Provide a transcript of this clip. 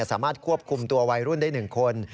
สามารถควบคุมตัววัยรุ่นได้๑คน